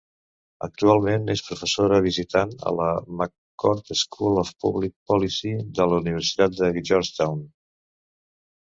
Actualment és professora visitant a la McCourt School of Public Policy de la Universitat de Georgetown.